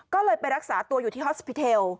ก็เลยไปรักษาตัวอยู่ที่ฮอสพิเทล